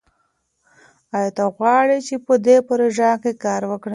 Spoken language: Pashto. ایا ته غواړې چې په دې پروژه کې کار وکړې؟